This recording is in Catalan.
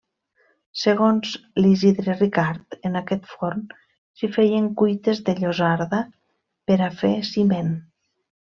Segons l'Isidre Ricard, en aquest forn s'hi feien cuites de llosarda per a fer ciment.